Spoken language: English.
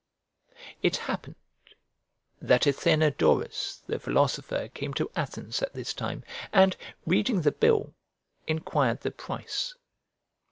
It happened that Athenodorus the philosopher came to Athens at this time, and, reading the bill, enquired the price.